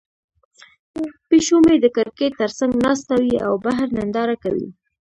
پیشو مې د کړکۍ تر څنګ ناسته وي او بهر ننداره کوي.